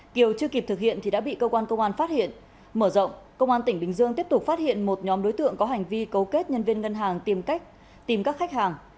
kiều chưa kịp thực hiện thì đã bị cơ quan công an phát hiện mở rộng công an tỉnh bình dương tiếp tục phát hiện một nhóm đối tượng có hành vi cấu kết nhân viên ngân hàng tìm cách tìm các khách hàng